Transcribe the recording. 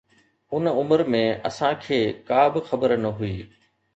ان عمر ۾ اسان کي ڪا به خبر نه هئي.